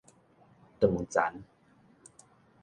斷層